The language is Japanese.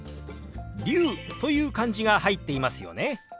龍という漢字が入っていますよね。